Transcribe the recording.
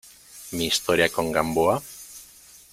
mi historia con Gamboa?